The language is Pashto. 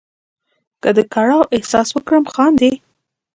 که د کړاو احساس وکړم خاندې.